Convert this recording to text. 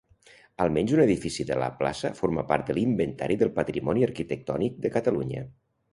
Almenys un edifici de la plaça forma part de l'Inventari del Patrimoni Arquitectònic de Catalunya.